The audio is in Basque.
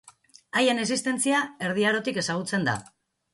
Haien existentzia Erdi Arotik ezagutzen da.